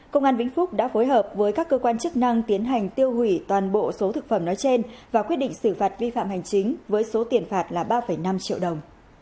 công an vĩnh phúc đã phối hợp với các cơ quan chức năng tiến hành tiêu hủy toàn bộ số thực phẩm nói trên và quyết định xử phạt vi phạm hành chính với số tiền phạt là ba năm triệu đồng